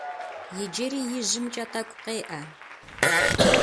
Иджыри ижьымкӏэ тӏэкӏу къеӏэ.